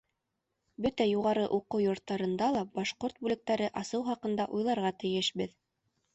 Бөтә юғары уҡыу йорттарында ла башҡорт бүлектәре асыу хаҡында уйларға тейешбеҙ.